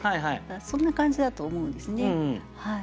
そんな感じだと思うんですね。